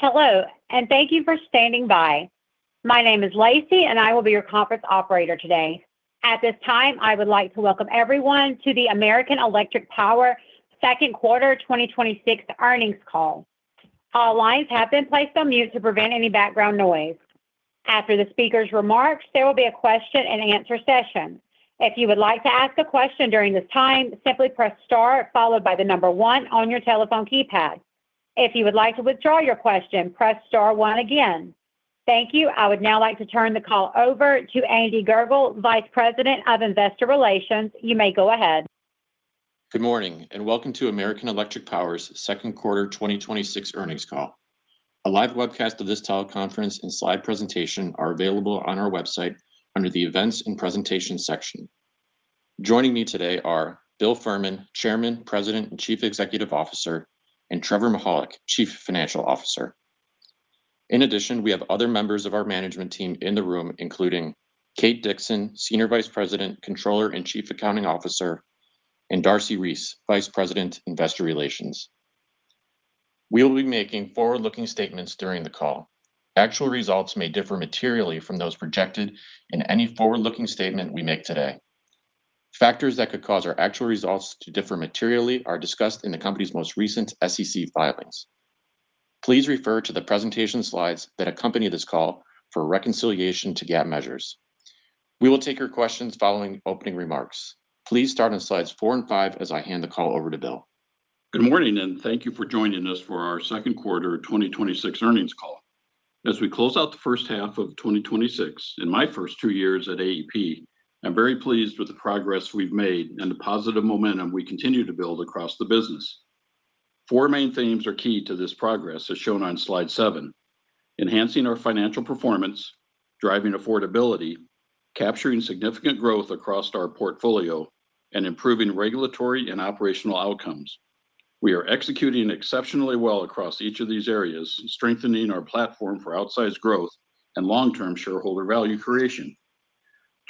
Hello, and thank you for standing by. My name is Lacey, and I will be your conference operator today. At this time, I would like to welcome everyone to the American Electric Power second quarter 2026 earnings call. All lines have been placed on mute to prevent any background noise. After the speaker's remarks, there will be a question and answer session. If you would like to ask a question during this time, simply press star followed by the number one on your telephone keypad. If you would like to withdraw your question, press star one again. Thank you. I would now like to turn the call over to Andy Gurgol, Vice President of Investor Relations. You may go ahead. Good morning, and welcome to American Electric Power's second quarter 2026 earnings call. A live webcast of this teleconference and slide presentation are available on our website under the Events and Presentation section. Joining me today are Bill Fehrman, Chairman, President, and Chief Executive Officer, and Trevor Mihalik, Chief Financial Officer. In addition, we have other members of our management team in the room, including Kate Dixon, Senior Vice President, Controller, and Chief Accounting Officer, and Darcy Reese, Vice President, Investor Relations. We will be making forward-looking statements during the call. Actual results may differ materially from those projected in any forward-looking statement we make today. Factors that could cause our actual results to differ materially are discussed in the company's most recent SEC filings. Please refer to the presentation slides that accompany this call for reconciliation to GAAP measures. We will take your questions following opening remarks. Please start on slides four and five as I hand the call over to Bill. Good morning, and thank you for joining us for our second quarter 2026 earnings call. As we close out the first half of 2026, in my first two years at AEP, I am very pleased with the progress we have made and the positive momentum we continue to build across the business. Four main themes are key to this progress, as shown on slide seven: enhancing our financial performance, driving affordability, capturing significant growth across our portfolio, and improving regulatory and operational outcomes. We are executing exceptionally well across each of these areas, strengthening our platform for outsized growth and long-term shareholder value creation.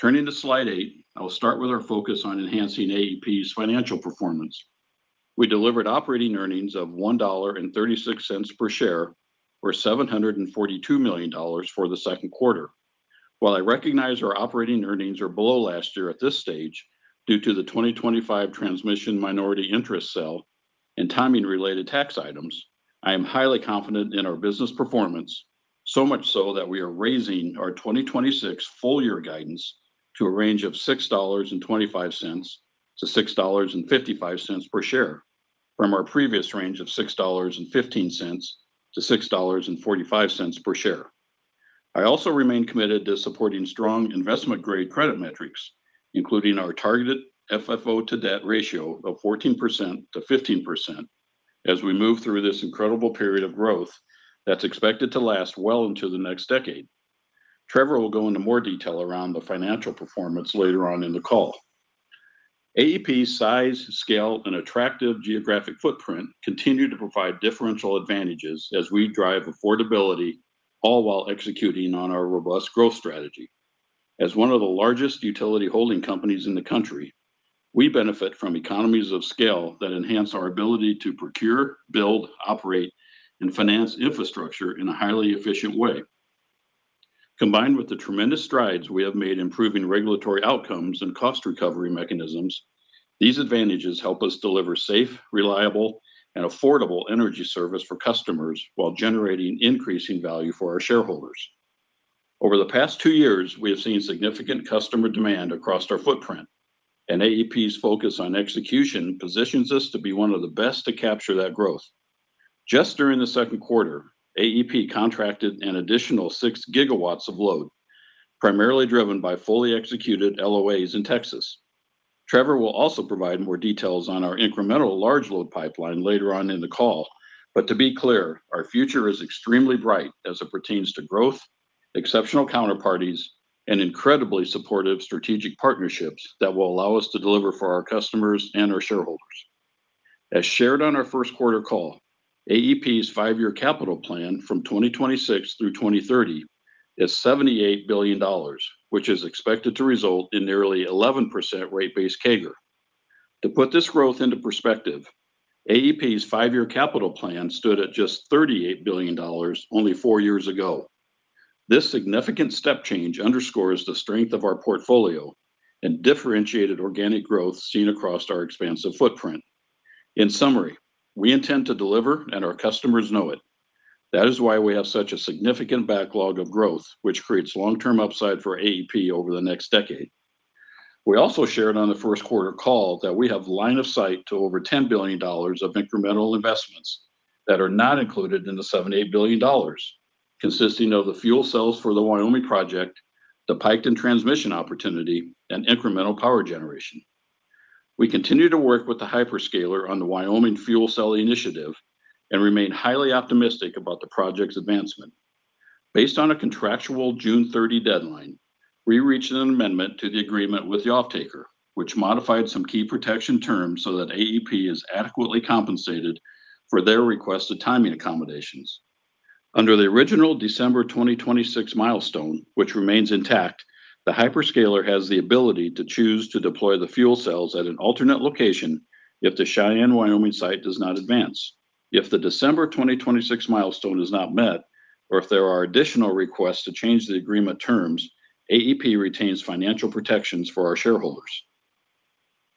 Turning to slide eight, I will start with our focus on enhancing AEP's financial performance. We delivered operating earnings of $1.36 per share or $742 million for the second quarter. I recognize our operating earnings are below last year at this stage due to the 2025 transmission minority interest sell and timing-related tax items, I am highly confident in our business performance. Much so that we are raising our 2026 full year guidance to a range of $6.25-$6.55 per share from our previous range of $6.15-$6.45 per share. I also remain committed to supporting strong investment-grade credit metrics, including our targeted FFO to debt ratio of 14%-15% as we move through this incredible period of growth that's expected to last well into the next decade. Trevor will go into more detail around the financial performance later on in the call. AEP's size, scale, and attractive geographic footprint continue to provide differential advantages as we drive affordability, all while executing on our robust growth strategy. As one of the largest utility holding companies in the country, we benefit from economies of scale that enhance our ability to procure, build, operate, and finance infrastructure in a highly efficient way. Combined with the tremendous strides we have made improving regulatory outcomes and cost recovery mechanisms, these advantages help us deliver safe, reliable, and affordable energy service for customers while generating increasing value for our shareholders. Over the past two years, we have seen significant customer demand across our footprint, and AEP's focus on execution positions us to be one of the best to capture that growth. Just during the second quarter, AEP contracted an additional six gigawatts of load, primarily driven by fully executed LOAs in Texas. Trevor will also provide more details on our incremental large load pipeline later on in the call. To be clear, our future is extremely bright as it pertains to growth, exceptional counterparties, and incredibly supportive strategic partnerships that will allow us to deliver for our customers and our shareholders. As shared on our first quarter call, AEP's five-year capital plan from 2026 through 2030 is $78 billion, which is expected to result in nearly 11% rate base CAGR. To put this growth into perspective, AEP's five-year capital plan stood at just $38 billion only four years ago. This significant step change underscores the strength of our portfolio and differentiated organic growth seen across our expansive footprint. In summary, we intend to deliver, and our customers know it. That is why we have such a significant backlog of growth, which creates long-term upside for AEP over the next decade. We also shared on the first quarter call that we have line of sight to over $10 billion of incremental investments that are not included in the $78 billion, consisting of the fuel cells for the Wyoming project, the Piketon transmission opportunity, and incremental power generation. We continue to work with the hyperscaler on the Wyoming fuel cell initiative and remain highly optimistic about the project's advancement. Based on a contractual June 30 deadline, we reached an amendment to the agreement with the offtaker, which modified some key protection terms so that AEP is adequately compensated for their requested timing accommodations. Under the original December 2026 milestone, which remains intact, the hyperscaler has the ability to choose to deploy the fuel cells at an alternate location if the Cheyenne Wyoming site does not advance. If the December 2026 milestone is not met, or if there are additional requests to change the agreement terms, AEP retains financial protections for our shareholders.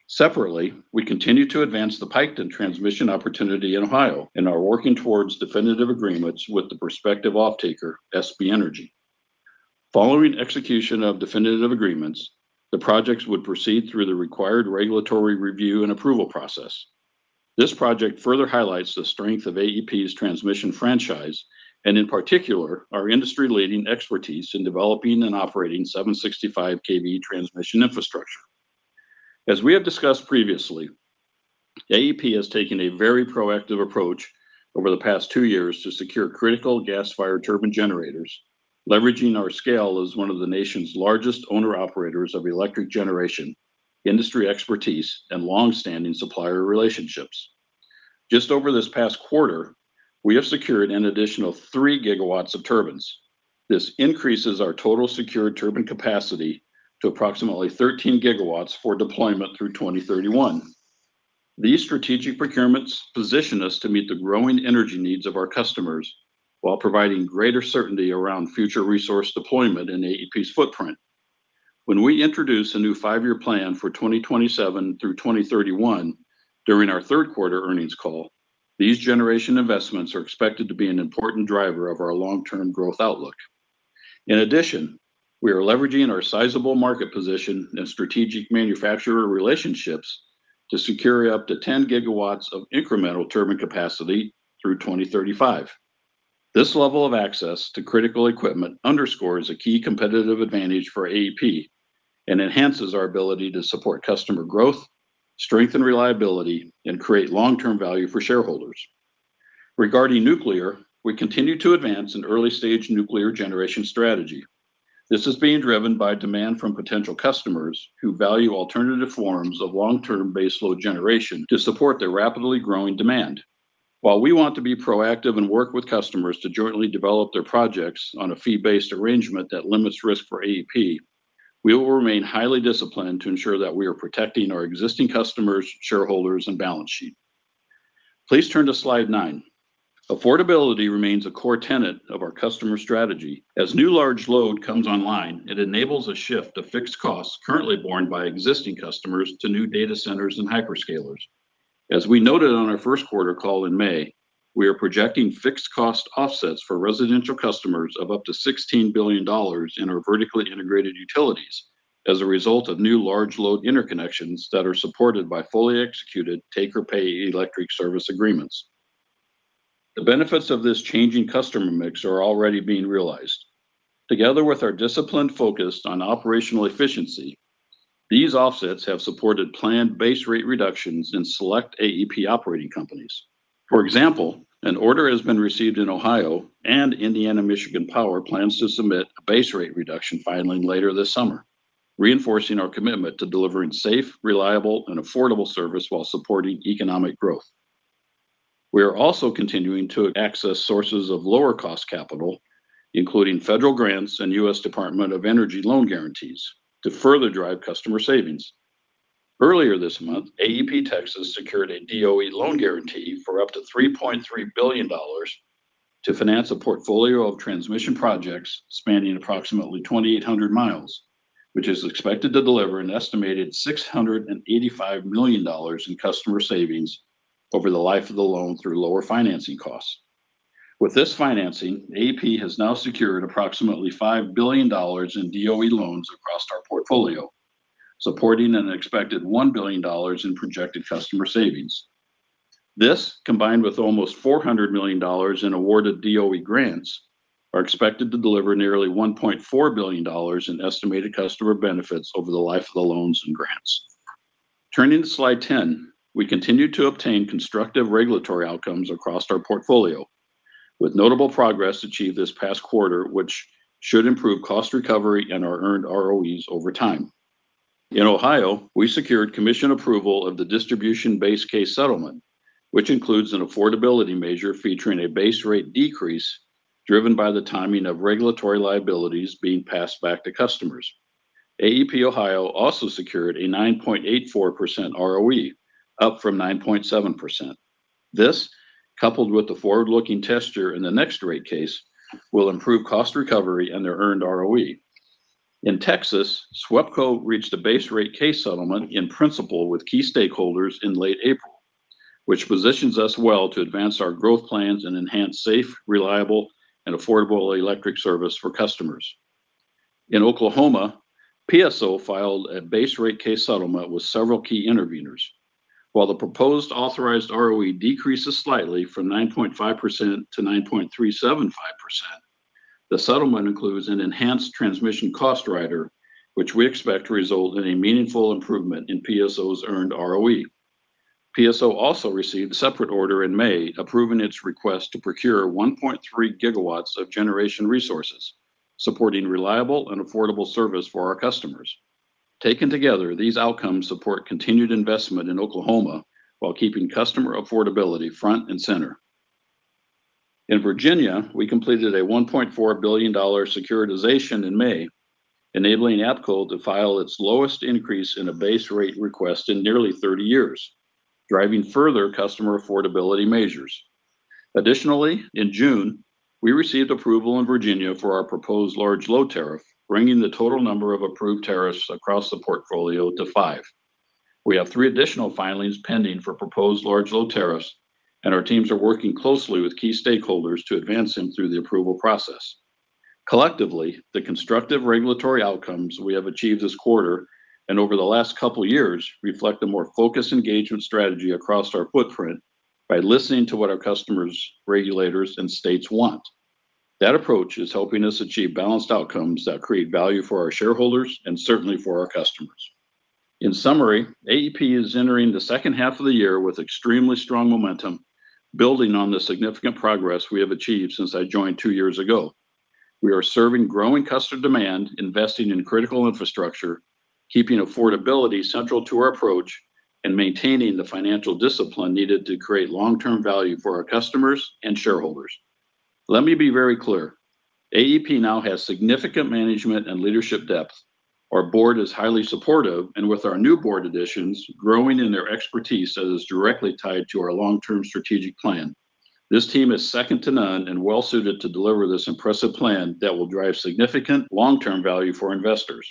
Separately, we continue to advance the Piketon transmission opportunity in Ohio and are working towards definitive agreements with the prospective offtaker, SP Energy. Following execution of definitive agreements, the projects would proceed through the required regulatory review and approval process. This project further highlights the strength of AEP's transmission franchise, and in particular, our industry-leading expertise in developing and operating 765 kV transmission infrastucture. As we have discussed previously, AEP has taken a very proactive approach over the past two years to secure critical gas-fired turbine generators, leveraging our scale as one of the nation's largest owner-operators of electric generation, industry expertise, and long-standing supplier relationships. Just over this past quarter, we have secured an additional three gigawatts of turbines. This increases our total secured turbine capacity to approximately 13 GW for deployment through 2031. These strategic procurements position us to meet the growing energy needs of our customers while providing greater certainty around future resource deployment in AEP's footprint. When we introduce a new five-year plan for 2027 through 2031 during our third quarter earnings call, these generation investments are expected to be an important driver of our long-term growth outlook. In addition, we are leveraging our sizable market position and strategic manufacturer relationships to secure up to 10 GW of incremental turbine capacity through 2035. This level of access to critical equipment underscores a key competitive advantage for AEP and enhances our ability to support customer growth, strengthen reliability, and create long-term value for shareholders. Regarding nuclear, we continue to advance an early-stage nuclear generation strategy. This is being driven by demand from potential customers who value alternative forms of long-term baseload generation to support their rapidly growing demand. While we want to be proactive and work with customers to jointly develop their projects on a fee-based arrangement that limits risk for AEP, we will remain highly disciplined to ensure that we are protecting our existing customers, shareholders, and balance sheet. Please turn to slide nine. Affordability remains a core tenet of our customer strategy. As new large load comes online, it enables a shift of fixed costs currently borne by existing customers to new data centers and hyperscalers. As we noted on our first quarter call in May, we are projecting fixed cost offsets for residential customers of up to $16 billion in our vertically integrated utilities as a result of new large load interconnections that are supported by fully executed take-or-pay electric service agreements. The benefits of this changing customer mix are already being realized. Together with our disciplined focus on operational efficiency, these offsets have supported planned base rate reductions in select AEP operating companies. For example, an order has been received in Ohio, and Indiana Michigan Power plans to submit a base rate reduction filing later this summer, reinforcing our commitment to delivering safe, reliable, and affordable service while supporting economic growth. We are also continuing to access sources of lower-cost capital, including federal grants and U.S. Department of Energy loan guarantees to further drive customer savings. Earlier this month, AEP Texas secured a DOE loan guarantee for up to $3.3 billion to finance a portfolio of transmission projects spanning approximately 2,800 mi, which is expected to deliver an estimated $685 million in customer savings over the life of the loan through lower financing costs. With this financing, AEP has now secured approximately $5 billion in DOE loans across our portfolio, supporting an expected $1 billion in projected customer savings. This, combined with almost $400 million in awarded DOE grants, are expected to deliver nearly $1.4 billion in estimated customer benefits over the life of the loans and grants. Turning to slide 10. We continue to obtain constructive regulatory outcomes across our portfolio with notable progress achieved this past quarter, which should improve cost recovery and our earned ROEs over time. In Ohio, we secured commission approval of the distribution base case settlement, which includes an affordability measure featuring a base rate decrease driven by the timing of regulatory liabilities being passed back to customers. AEP Ohio also secured a 9.84% ROE, up from 9.7%. This, coupled with the forward-looking tester in the next rate case, will improve cost recovery and their earned ROE. In Texas, Southwestern Electric Power Company reached a base rate case settlement in principle with key stakeholders in late April, which positions us well to advance our growth plans and enhance safe, reliable, and affordable electric service for customers. In Oklahoma, Public Service Company of Oklahoma filed a base rate case settlement with several key interveners. While the proposed authorized ROE decreases slightly from 9.5%-9.375%, the settlement includes an enhanced transmission cost rider, which we expect to result in a meaningful improvement in Public Service Company of Oklahoma's earned ROE. Public Service Company of Oklahoma also received a separate order in May approving its request to procure 1.3 GW of generation resources, supporting reliable and affordable service for our customers. Taken together, these outcomes support continued investment in Oklahoma while keeping customer affordability front and center. In Virginia, we completed a $1.4 billion securitization in May, enabling Appalachian Power to file its lowest increase in a base rate request in nearly 30 years, driving further customer affordability measures. Additionally, in June, we received approval in Virginia for our proposed large load tariff, bringing the total number of approved tariffs across the portfolio to five. We have three additional filings pending for proposed large load tariffs, and our teams are working closely with key stakeholders to advance them through the approval process. Collectively, the constructive regulatory outcomes we have achieved this quarter and over the last couple of years reflect a more focused engagement strategy across our footprint by listening to what our customers, regulators, and states want. That approach is helping us achieve balanced outcomes that create value for our shareholders and certainly for our customers. In summary, AEP is entering the second half of the year with extremely strong momentum, building on the significant progress we have achieved since I joined two years ago. We are serving growing customer demand, investing in critical infrastructure, keeping affordability central to our approach, and maintaining the financial discipline needed to create long-term value for our customers and shareholders. Let me be very clear. AEP now has significant management and leadership depth. Our board is highly supportive and with our new board additions, growing in their expertise that is directly tied to our long-term strategic plan. This team is second to none and well-suited to deliver this impressive plan that will drive significant long-term value for investors.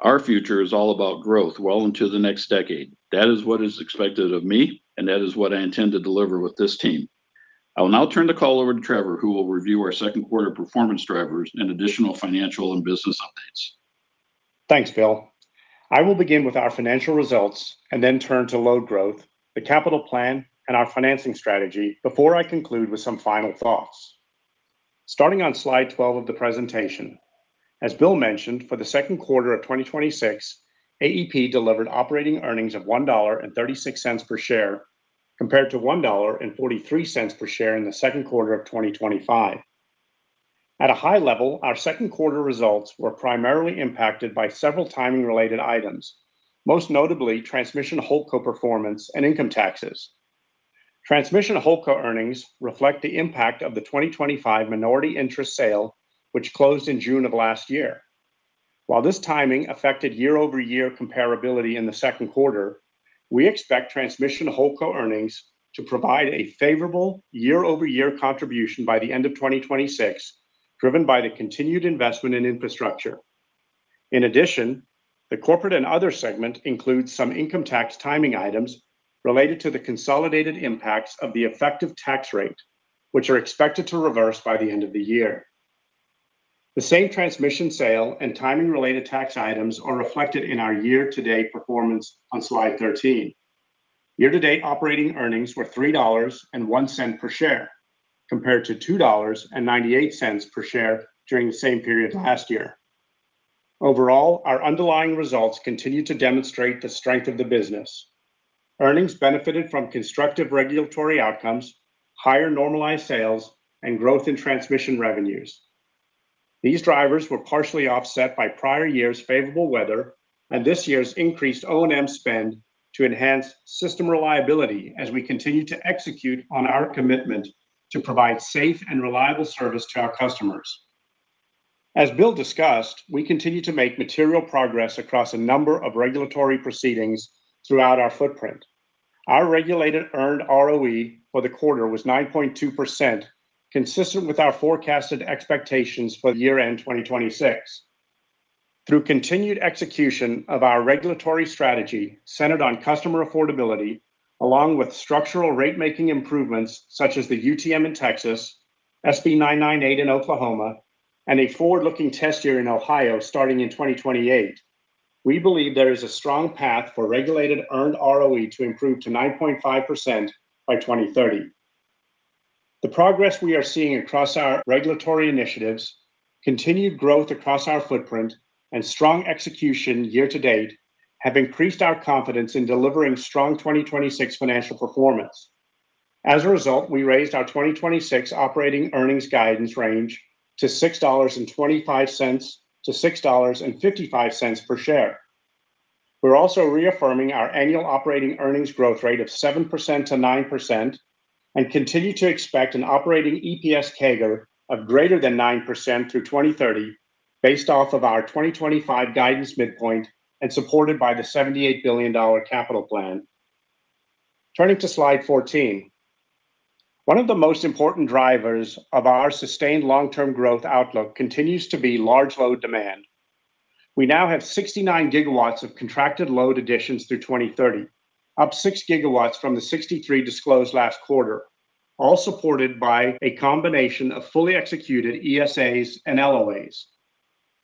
Our future is all about growth well into the next decade. That is what is expected of me, and that is what I intend to deliver with this team. I will now turn the call over to Trevor, who will review our second quarter performance drivers and additional financial and business updates. Thanks, Bill. I will begin with our financial results and then turn to load growth, the capital plan, and our financing strategy before I conclude with some final thoughts. Starting on Slide 12 of the presentation, as Bill mentioned, for the second quarter of 2026, AEP delivered operating earnings of $1.36 per share compared to $1.43 per share in the second quarter of 2025. At a high level, our second quarter results were primarily impacted by several timing-related items, most notably Transmission Holdco performance and income taxes. Transmission Holdco earnings reflect the impact of the 2025 minority interest sale, which closed in June of last year. While this timing affected year-over-year comparability in the second quarter, we expect Transmission Holdco earnings to provide a favorable year-over-year contribution by the end of 2026, driven by the continued investment in infrastructure. The corporate and other segment includes some income tax timing items related to the consolidated impacts of the effective tax rate, which are expected to reverse by the end of the year. The same transmission sale and timing-related tax items are reflected in our year-to-date performance on Slide 13. Year-to-date operating earnings were $3.01 per share compared to $2.98 per share during the same period last year. Overall, our underlying results continue to demonstrate the strength of the business. Earnings benefited from constructive regulatory outcomes, higher normalized sales, and growth in transmission revenues. These drivers were partially offset by prior year's favorable weather and this year's increased O&M spend to enhance system reliability as we continue to execute on our commitment to provide safe and reliable service to our customers. As Bill discussed, we continue to make material progress across a number of regulatory proceedings throughout our footprint. Our regulated earned ROE for the quarter was 9.2%, consistent with our forecasted expectations for the year-end 2026. Through continued execution of our regulatory strategy centered on customer affordability, along with structural rate-making improvements such as the UTM in Texas, SB 998 in Oklahoma, and a forward-looking test year in Ohio starting in 2028, we believe there is a strong path for regulated earned ROE to improve to 9.5% by 2030. The progress we are seeing across our regulatory initiatives, continued growth across our footprint, and strong execution year-to-date have increased our confidence in delivering strong 2026 financial performance. As a result, we raised our 2026 operating earnings guidance range to $6.25-$6.55 per share. We're also reaffirming our annual operating earnings growth rate of 7%-9% and continue to expect an operating EPS CAGR of greater than 9% through 2030 based off of our 2025 guidance midpoint and supported by the $78 billion capital plan. Turning to Slide 14. One of the most important drivers of our sustained long-term growth outlook continues to be large load demand. We now have 69 GW of contracted load additions through 2030, up 6 GW from the 63 disclosed last quarter, all supported by a combination of fully executed ESAs and LOAs.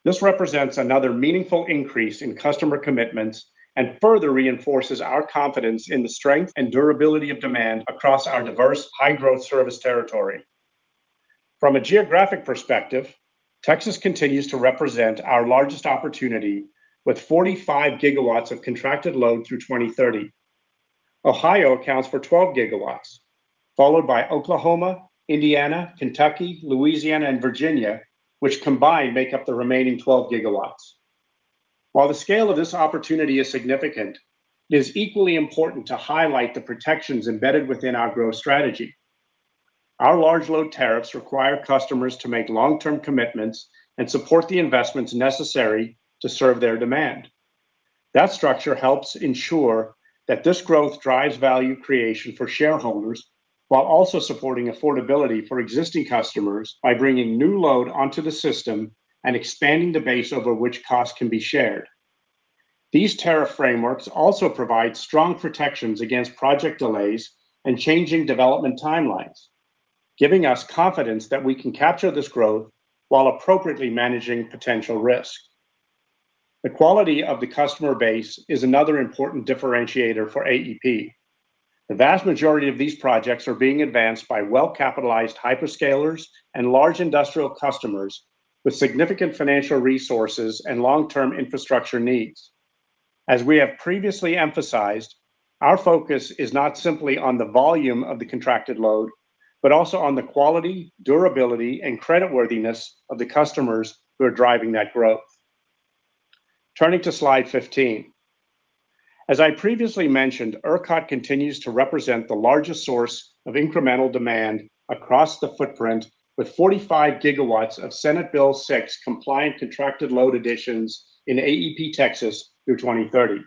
This represents another meaningful increase in customer commitments and further reinforces our confidence in the strength and durability of demand across our diverse, high-growth service territory. From a geographic perspective, Texas continues to represent our largest opportunity with 45 GW of contracted load through 2030. Ohio accounts for 12 GW, followed by Oklahoma, Indiana, Kentucky, Louisiana, and Virginia, which combined make up the remaining 12 GW. While the scale of this opportunity is significant, it is equally important to highlight the protections embedded within our growth strategy. Our large load tariffs require customers to make long-term commitments and support the investments necessary to serve their demand. That structure helps ensure that this growth drives value creation for shareholders, while also supporting affordability for existing customers by bringing new load onto the system and expanding the base over which costs can be shared. These tariff frameworks also provide strong protections against project delays and changing development timelines, giving us confidence that we can capture this growth while appropriately managing potential risk. The quality of the customer base is another important differentiator for AEP. The vast majority of these projects are being advanced by well-capitalized hyperscalers and large industrial customers with significant financial resources and long-term infrastructure needs. As we have previously emphasized, our focus is not simply on the volume of the contracted load, but also on the quality, durability, and creditworthiness of the customers who are driving that growth. Turning to Slide 15. As I previously mentioned, ERCOT continues to represent the largest source of incremental demand across the footprint, with 45 gigawatts of Senate Bill 6 compliant contracted load additions in AEP Texas through 2030.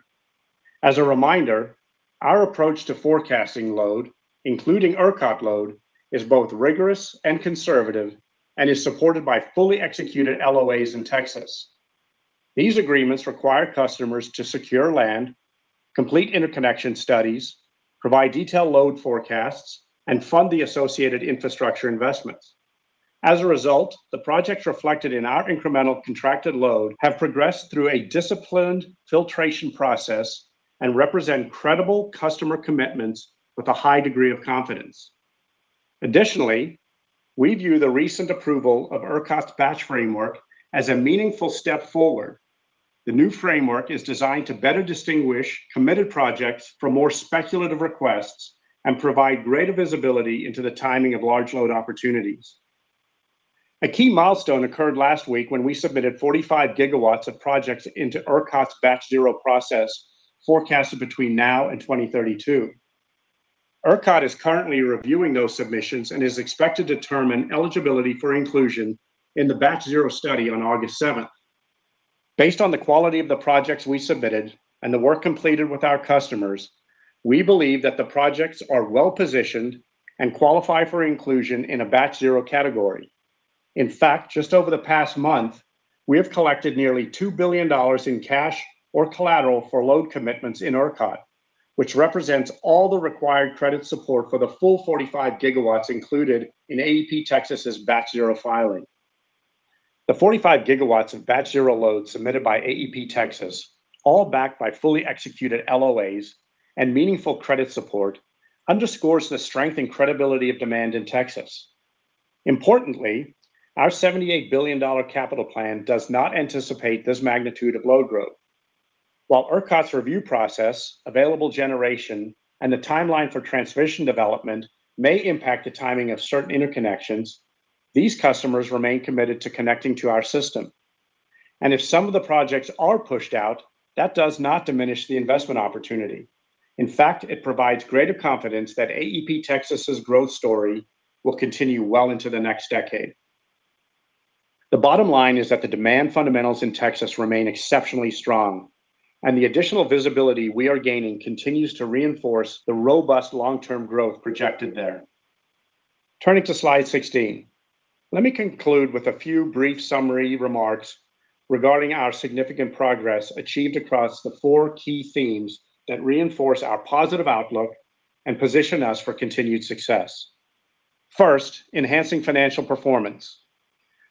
As a reminder, our approach to forecasting load, including ERCOT load, is both rigorous and conservative and is supported by fully executed LOAs in Texas. These agreements require customers to secure land, complete interconnection studies, provide detailed load forecasts, and fund the associated infrastructure investments. As a result, the projects reflected in our incremental contracted load have progressed through a disciplined filtration process and represent credible customer commitments with a high degree of confidence. Additionally, we view the recent approval of ERCOT's batch framework as a meaningful step forward. The new framework is designed to better distinguish committed projects from more speculative requests and provide greater visibility into the timing of large load opportunities. A key milestone occurred last week when we submitted 45 GW of projects into ERCOT's Batch Zero process, forecasted between now and 2032. ERCOT is currently reviewing those submissions and is expected to determine eligibility for inclusion in the Batch Zero study on August 7th. Based on the quality of the projects we submitted and the work completed with our customers, we believe that the projects are well-positioned and qualify for inclusion in a Batch Zero category. In fact, just over the past month, we have collected nearly $2 billion in cash or collateral for load commitments in ERCOT, which represents all the required credit support for the full 45 gigawatts included in AEP Texas's Batch Zero filing. The 45 GW of Batch Zero load submitted by AEP Texas, all backed by fully executed LOAs and meaningful credit support, underscores the strength and credibility of demand in Texas. Importantly, our $78 billion capital plan does not anticipate this magnitude of load growth. While ERCOT's review process, available generation, and the timeline for transmission development may impact the timing of certain interconnections, these customers remain committed to connecting to our system. If some of the projects are pushed out, that does not diminish the investment opportunity. In fact, it provides greater confidence that AEP Texas's growth story will continue well into the next decade. The bottom line is that the demand fundamentals in Texas remain exceptionally strong, and the additional visibility we are gaining continues to reinforce the robust long-term growth projected there. Turning to Slide 16. Let me conclude with a few brief summary remarks regarding our significant progress achieved across the four key themes that reinforce our positive outlook and position us for continued success. First, enhancing financial performance.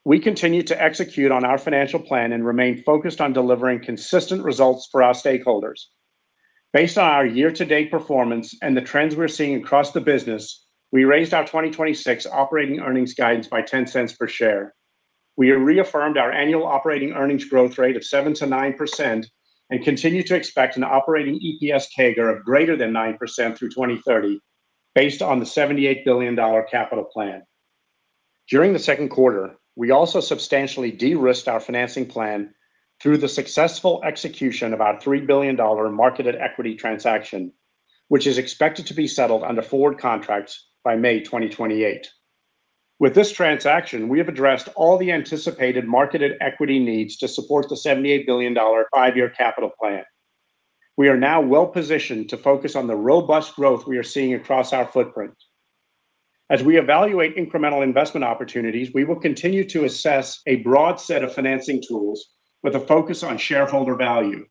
We continue to execute on our financial plan and remain focused on delivering consistent results for our stakeholders. Based on our year-to-date performance and the trends we're seeing across the business, we raised our 2026 operating earnings guidance by $0.10 per share. We have reaffirmed our annual operating earnings growth rate of 7%-9% and continue to expect an operating EPS CAGR of greater than 9% through 2030, based on the $78 billion capital plan. During the second quarter, we also substantially de-risked our financing plan through the successful execution of our $3 billion marketed equity transaction, which is expected to be settled under forward contracts by May 2028. With this transaction, we have addressed all the anticipated marketed equity needs to support the $78 billion five-year capital plan. We are now well-positioned to focus on the robust growth we are seeing across our footprint. As we evaluate incremental investment opportunities, we will continue to assess a broad set of financing tools with a focus on shareholder value.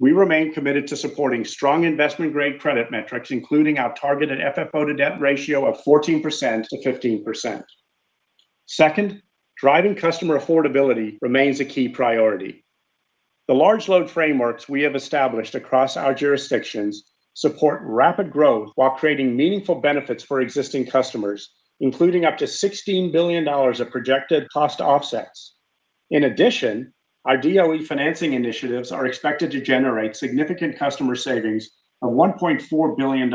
We remain committed to supporting strong investment-grade credit metrics, including our targeted FFO to debt ratio of 14%-15%. Second, driving customer affordability remains a key priority. The large load frameworks we have established across our jurisdictions support rapid growth while creating meaningful benefits for existing customers, including up to $16 billion of projected cost offsets. In addition, our DOE financing initiatives are expected to generate significant customer savings of $1.4 billion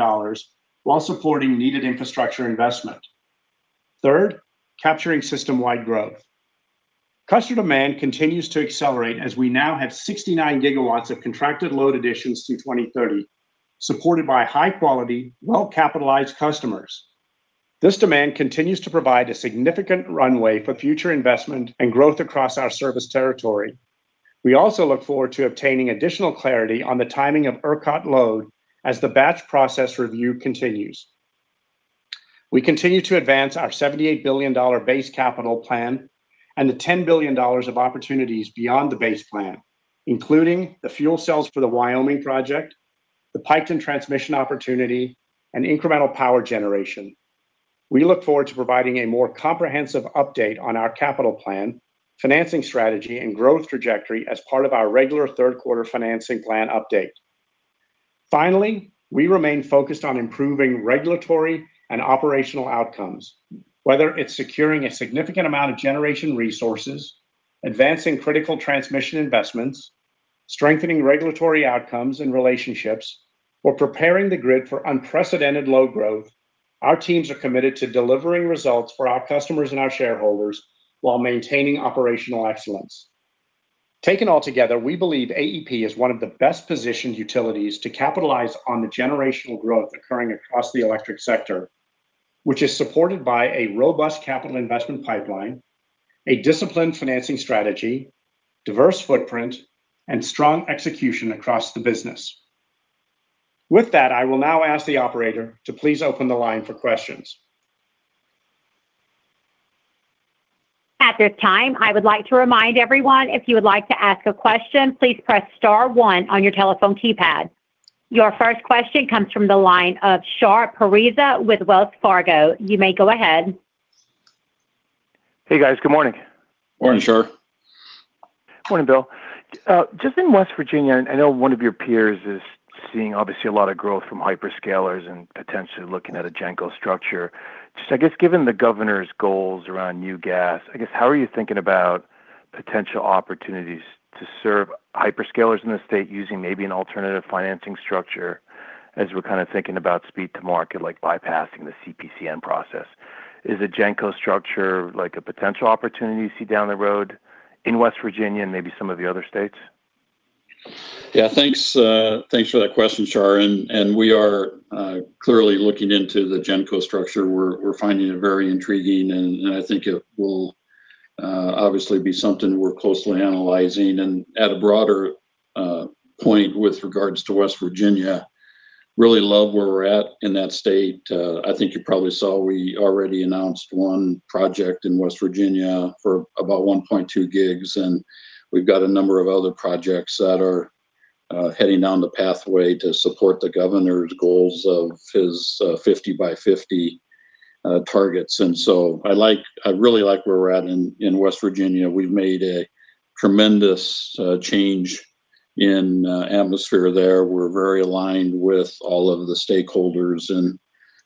while supporting needed infrastructure investment. Third, capturing system-wide growth. Customer demand continues to accelerate as we now have 69 GW of contracted load additions through 2030, supported by high-quality, well-capitalized customers. This demand continues to provide a significant runway for future investment and growth across our service territory. We also look forward to obtaining additional clarity on the timing of ERCOT load as the batch process review continues. We continue to advance our $78 billion base capital plan and the $10 billion of opportunities beyond the base plan, including the fuel cells for the Wyoming project, the Piketon transmission opportunity, and incremental power generation. We look forward to providing a more comprehensive update on our capital plan, financing strategy, and growth trajectory as part of our regular third-quarter financing plan update. We remain focused on improving regulatory and operational outcomes. Whether it's securing a significant amount of generation resources, advancing critical transmission investments, strengthening regulatory outcomes and relationships, or preparing the grid for unprecedented low growth, our teams are committed to delivering results for our customers and our shareholders while maintaining operational excellence. Taken altogether, we believe AEP is one of the best-positioned utilities to capitalize on the generational growth occurring across the electric sector, which is supported by a robust capital investment pipeline, a disciplined financing strategy, diverse footprint, and strong execution across the business. I will now ask the operator to please open the line for questions. I would like to remind everyone if you would like to ask a question, please press star one on your telephone keypad. Your first question comes from the line of Shar Pourreza with Wells Fargo. You may go ahead. Hey, guys. Good morning. Morning, Shar. Morning, Bill. In West Virginia, I know one of your peers is seeing obviously a lot of growth from hyperscalers and potentially looking at a GenCo structure. I guess given the governor's goals around new gas, I guess how are you thinking about potential opportunities to serve hyperscalers in the state using maybe an alternative financing structure as we're kind of thinking about speed to market, like bypassing the CPCN process? Is a GenCo structure a potential opportunity you see down the road in West Virginia and maybe some of the other states? Thanks. Thanks for that question, Shar. We are clearly looking into the GenCo structure. We're finding it very intriguing, I think it will obviously be something we're closely analyzing. At a broader point with regards to West Virginia, really love where we're at in that state. I think you probably saw we already announced one project in West Virginia for about 1.2 gigs. We've got a number of other projects that are heading down the pathway to support the governor's goals of his 50 by 50 targets. I really like where we're at in West Virginia. We've made a tremendous change in atmosphere there. We're very aligned with all of the stakeholders,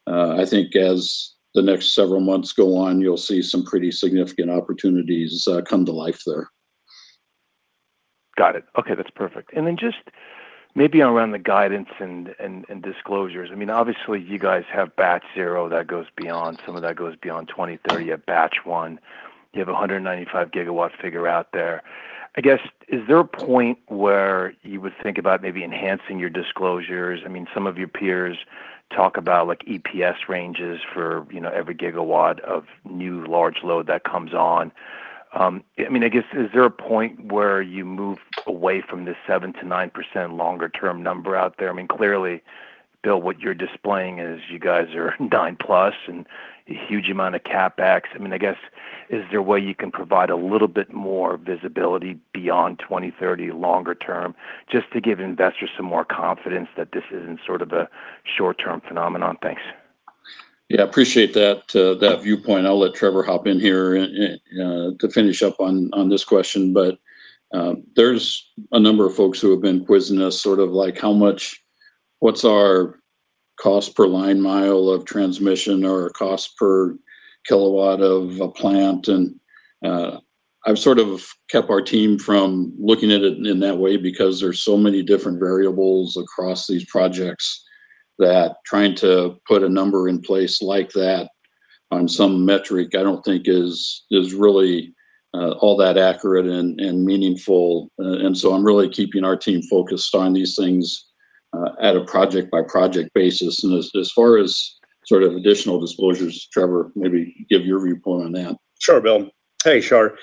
I think as the next several months go on, you'll see some pretty significant opportunities come to life there. Got it. Okay. That's perfect. Then just maybe around the guidance and disclosures. Obviously, you guys have Batch Zero, some of that goes beyond 2030. At Batch One, you have 195 gigawatts figure out there. I guess, is there a point where you would think about maybe enhancing your disclosures? Some of your peers talk about like EPS ranges for every gigawatt of new large load that comes on. I guess, is there a point where you move away from this 7%-9% longer-term number out there? Clearly, Bill, what you're displaying is you guys are nine-plus and a huge amount of CapEx. I guess, is there a way you can provide a little bit more visibility beyond 2030 longer term, just to give investors some more confidence that this isn't sort of a short-term phenomenon? Thanks. Appreciate that viewpoint. I'll let Trevor hop in here to finish up on this question. There's a number of folks who have been quizzing us sort of like, what's our cost per line mile of transmission or cost per kilowatt of a plant? I've sort of kept our team from looking at it in that way because there's so many different variables across these projects, that trying to put a number in place like that on some metric I don't think is really all that accurate and meaningful. I'm really keeping our team focused on these things at a project-by-project basis. As far as sort of additional disclosures, Trevor, maybe give your viewpoint on that. Sure, Bill. Hey, Shar.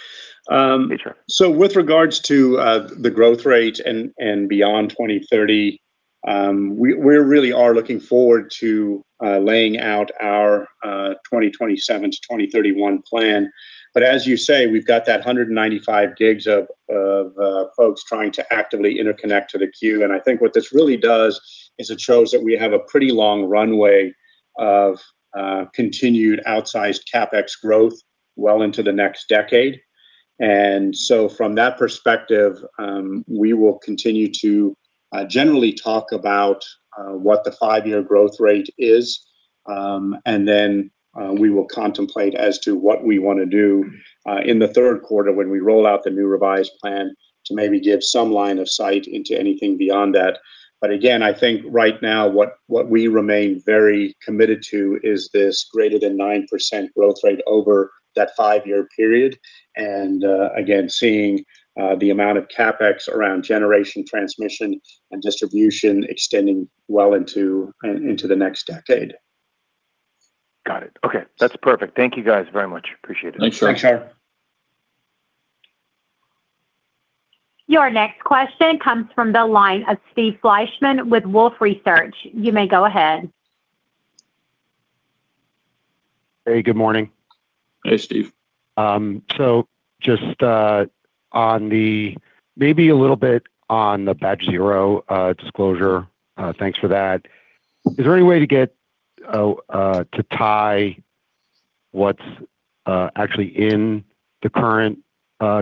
Hey, Trevor. With regards to the growth rate and beyond 2030, we really are looking forward to laying out our 2027 to 2031 plan. As you say, we've got that 195 gigs of folks trying to actively interconnect to the queue. I think what this really does is it shows that we have a pretty long runway of continued outsized CapEx growth well into the next decade. From that perspective, we will continue to generally talk about what the five-year growth rate is Then we will contemplate as to what we want to do in the third quarter when we roll out the new revised plan to maybe give some line of sight into anything beyond that. Again, I think right now what we remain very committed to is this greater than 9% growth rate over that five-year period. Again, seeing the amount of CapEx around generation transmission and distribution extending well into the next decade. Got it. Okay. That's perfect. Thank you guys very much. Appreciate it. Thanks. Thanks. Your next question comes from the line of Steve Fleishman with Wolfe Research. You may go ahead. Hey, good morning. Hey, Steve. just maybe a little bit on the Batch Zero disclosure. Thanks for that. Is there any way to tie what's actually in the current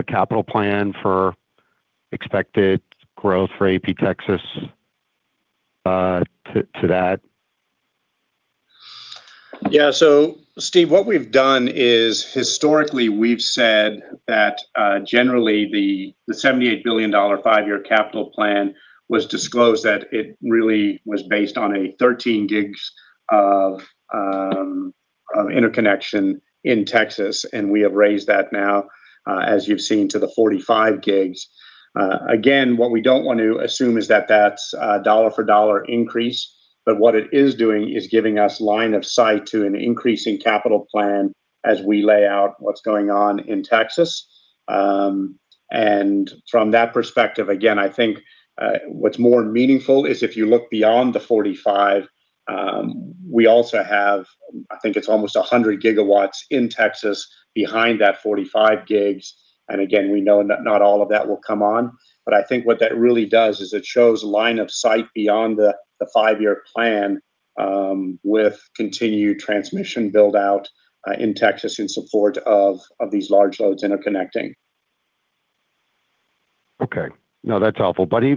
capital plan for expected growth for AEP Texas to that? Yeah. Steve, what we've done is historically we've said that, generally the $78 billion five-year capital plan was disclosed, that it really was based on a 13 gigs of interconnection in Texas. We have raised that now, as you've seen, to the 45 gigs. Again, what we don't want to assume is that that's a dollar for dollar increase, what it is doing is giving us line of sight to an increasing capital plan as we lay out what's going on in Texas. From that perspective, again, I think what's more meaningful is if you look beyond the 45, we also have, I think it's almost 100 GW in Texas behind that 45 gigs. Again, we know not all of that will come on, I think what that really does is it shows line of sight beyond the five-year plan, with continued transmission build-out in Texas in support of these large loads interconnecting. Okay. No, that's helpful. I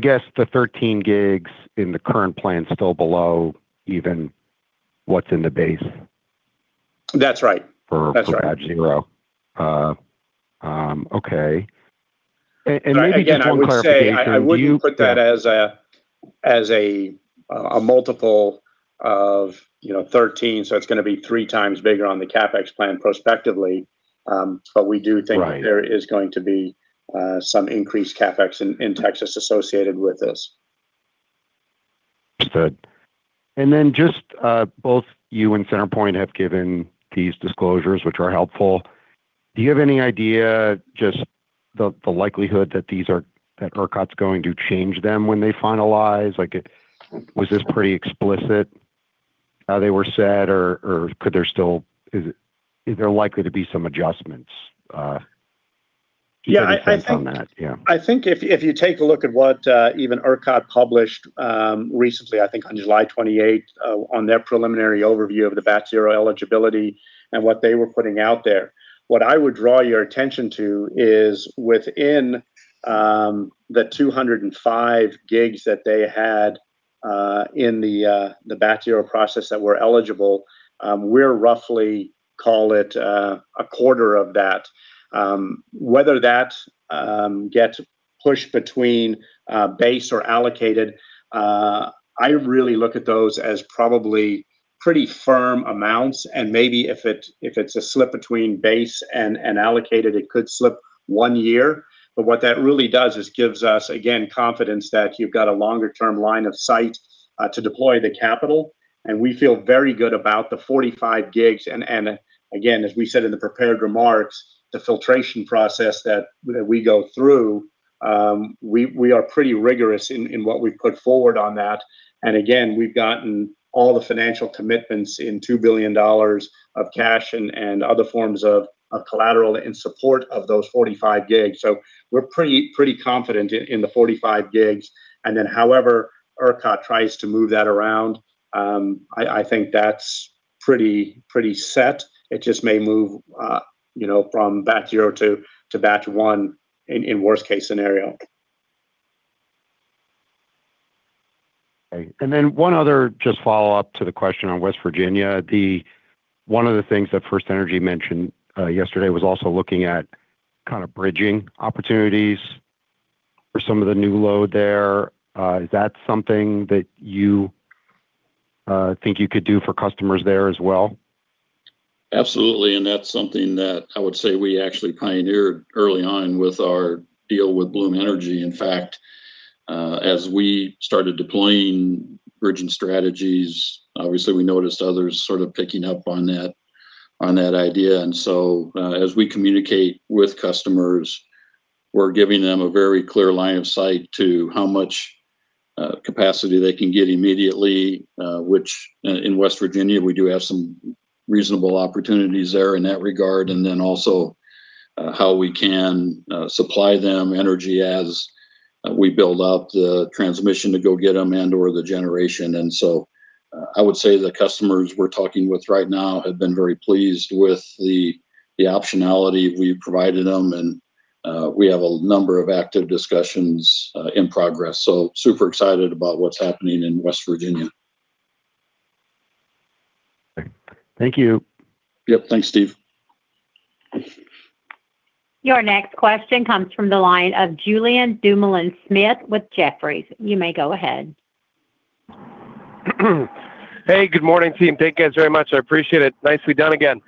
guess the 13 gigs in the current plan is still below even what's in the base. That's right. For- That's right Batch Zero. Okay. Maybe just one clarification. Again, I would say I wouldn't put that as a multiple of 13, it's going to be three times bigger on the CapEx plan prospectively. Right There is going to be some increased CapEx in Texas associated with this. Understood. Both you and CenterPoint have given these disclosures, which are helpful. Do you have any idea, just the likelihood that ERCOT's going to change them when they finalize? Was this pretty explicit how they were set? Is there likely to be some adjustments? Do you have any insights on that? Yeah. I think if you take a look at what even ERCOT published recently, I think on July 28th, on their preliminary overview of the Batch Zero eligibility and what they were putting out there, what I would draw your attention to is within the 205 gigs that they had in the Batch Zero process that were eligible, we're roughly call it a quarter of that. Whether that gets pushed between base or allocated, I really look at those as probably pretty firm amounts, and maybe if it's a slip between base and allocated, it could slip one year. What that really does is gives us, again, confidence that you've got a longer term line of sight to deploy the capital. We feel very good about the 45 gigs. Again, as we said in the prepared remarks, the filtration process that we go through, we are pretty rigorous in what we put forward on that. Again, we've gotten all the financial commitments in $2 billion of cash and other forms of collateral in support of those 45 gigs. We're pretty confident in the 45 gigs. However ERCOT tries to move that around, I think that's pretty set. It just may move from Batch Zero to Batch One in worst case scenario. Okay. One other just follow-up to the question on West Virginia. One of the things that FirstEnergy mentioned yesterday was also looking at kind of bridging opportunities for some of the new load there. Is that something that you think you could do for customers there as well? Absolutely. That's something that I would say we actually pioneered early on with our deal with Bloom Energy. In fact, as we started deploying bridging strategies, obviously we noticed others sort of picking up on that idea. As we communicate with customers, we're giving them a very clear line of sight to how much capacity they can get immediately. Which in West Virginia, we do have some reasonable opportunities there in that regard. Also, how we can supply them energy as we build out the transmission to go get them and/or the generation. I would say the customers we're talking with right now have been very pleased with the optionality we've provided them. We have a number of active discussions in progress. Super excited about what's happening in West Virginia. Thank you. Yep. Thanks, Steve. Your next question comes from the line of Julien Dumoulin-Smith with Jefferies. You may go ahead. Hey, good morning, team. Thank you guys very much, I appreciate it. Nicely done again.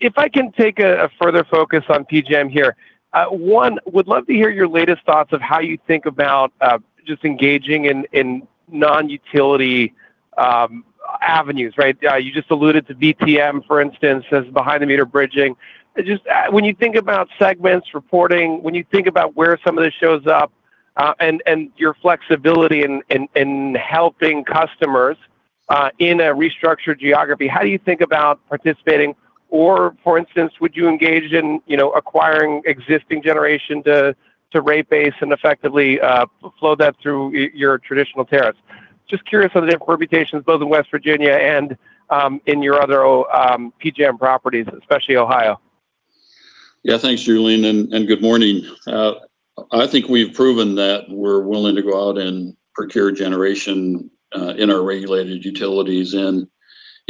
If I can take a further focus on PJM here, one, would love to hear your latest thoughts of how you think about just engaging in non-utility avenues, right? You just alluded to BTM, for instance, as behind-the-meter bridging. When you think about segments, reporting, when you think about where some of this shows up, and your flexibility in helping customers, in a restructured geography, how do you think about participating? Or, for instance, would you engage in acquiring existing generation to rate base and effectively flow that through your traditional tariffs? Just curious on the different permutations both in West Virginia and in your other PJM properties, especially Ohio. Yeah. Thanks, Julien, and good morning. I think we've proven that we're willing to go out and procure generation in our regulated utilities. In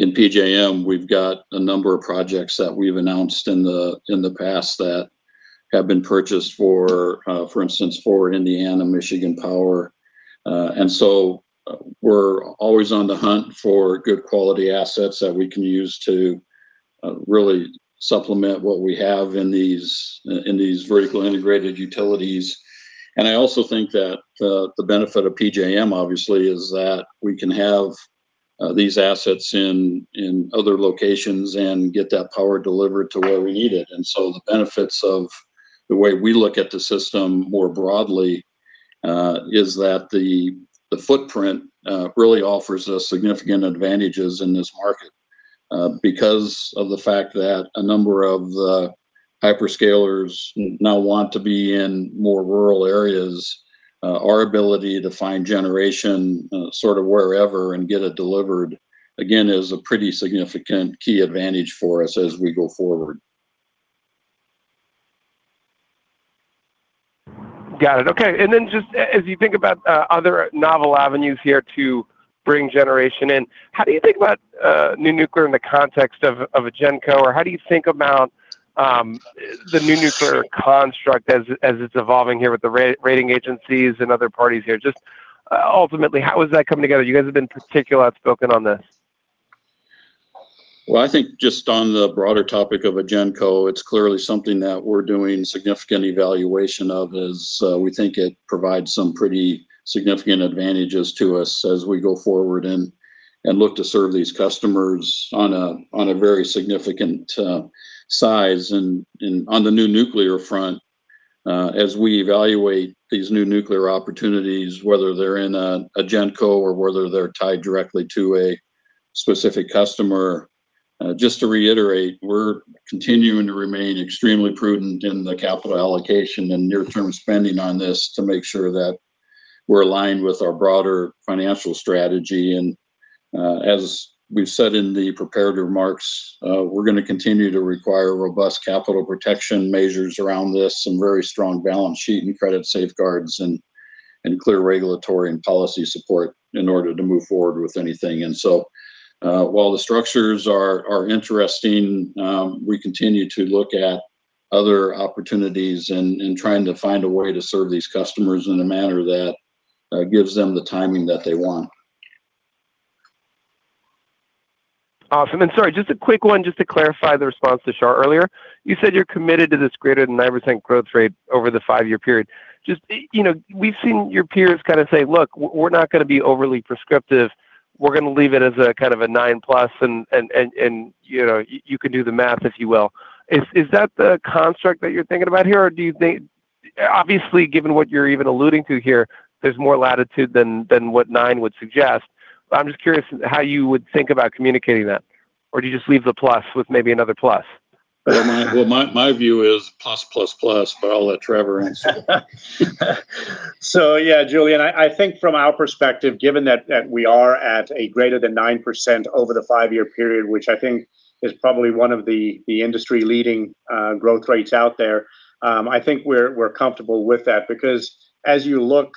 PJM, we've got a number of projects that we've announced in the past that have been purchased for instance, for Indiana Michigan Power. We're always on the hunt for good quality assets that we can use to really supplement what we have in these vertically integrated utilities. I also think that the benefit of PJM, obviously, is that we can have these assets in other locations and get that power delivered to where we need it. The benefits of the way we look at the system more broadly, is that the footprint really offers us significant advantages in this market. Because of the fact that a number of the hyperscalers now want to be in more rural areas, our ability to find generation sort of wherever and get it delivered, again, is a pretty significant key advantage for us as we go forward. Got it. Okay. Then just as you think about other novel avenues here to bring generation in, how do you think about new nuclear in the context of a GenCo, or how do you think about the new nuclear construct as it's evolving here with the rating agencies and other parties here? Ultimately, how is that coming together? You guys have been particularly outspoken on this. Well, I think just on the broader topic of a GenCo, it's clearly something that we're doing significant evaluation of as we think it provides some pretty significant advantages to us as we go forward and look to serve these customers on a very significant size. On the new nuclear front, as we evaluate these new nuclear opportunities, whether they're in a GenCo or whether they're tied directly to a specific customer, just to reiterate, we're continuing to remain extremely prudent in the capital allocation and near-term spending on this to make sure that we're aligned with our broader financial strategy. As we've said in the prepared remarks, we're going to continue to require robust capital protection measures around this, some very strong balance sheet and credit safeguards and clear regulatory and policy support in order to move forward with anything. While the structures are interesting, we continue to look at other opportunities and trying to find a way to serve these customers in a manner that gives them the timing that they want. Sorry, just a quick one just to clarify the response to Shar earlier. You said you're committed to this greater than 9% growth rate over the five-year period. We've seen your peers kind of say, look, we're not going to be overly prescriptive. We're going to leave it as a kind of a 9+ and you could do the math, if you will. Is that the construct that you're thinking about here? Obviously, given what you're even alluding to here, there's more latitude than what nine would suggest. I'm just curious how you would think about communicating that. Or do you just leave the plus with maybe another plus? My view is plus, plus, I'll let Trevor answer. Julien, I think from our perspective, given that we are at a greater than 9% over the five-year period, which I think is probably one of the industry-leading growth rates out there, I think we're comfortable with that because as you look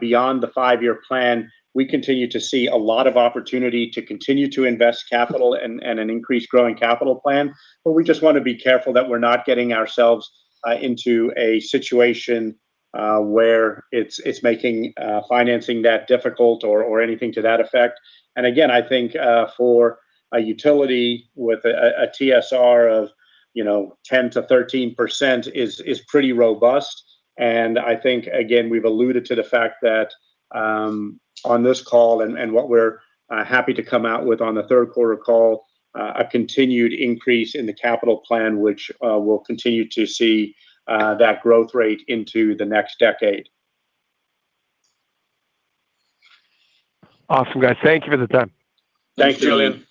beyond the five-year plan, we continue to see a lot of opportunity to continue to invest capital and an increased growing capital plan. We just want to be careful that we're not getting ourselves into a situation where it's making financing that difficult or anything to that effect. Again, I think for a utility with a TSR of 10%-13% is pretty robust. I think, again, we've alluded to the fact that, on this call and what we're happy to come out with on the third quarter call, a continued increase in the capital plan, which we'll continue to see that growth rate into the next decade. Awesome, guys. Thank you for the time. Thanks, Julien. Thanks, Julien.